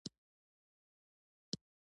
ټول پښتانه بايد د خپلو حقونو لپاره يو موټي شي.